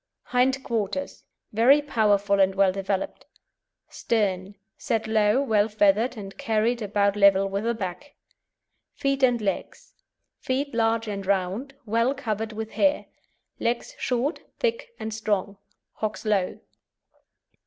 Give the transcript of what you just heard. HIND QUARTERS Very powerful and well developed. STERN Set low, well feathered, and carried about level with the back. FEET AND LEGS Feet large and round, well covered with hair; legs short, thick and strong; hocks low.